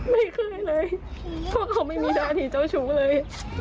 ไม่เคยเลยเพราะเขาไม่มีท่าทีเจ้าชู้เลย